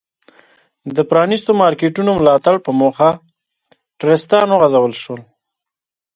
د پ رانیستو مارکېټونو ملاتړ په موخه ټرستان وغورځول شول.